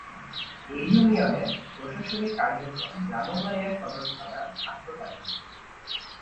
এ ইউনিয়নের প্রশাসনিক কার্যক্রম ব্রাহ্মণবাড়িয়া সদর থানার আওতাধীন।